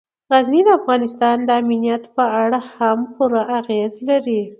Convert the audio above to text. غزني د افغانستان د امنیت په اړه هم پوره اغېز لري.